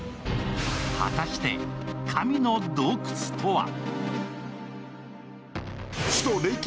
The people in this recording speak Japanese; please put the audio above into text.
果たして神の洞窟とは。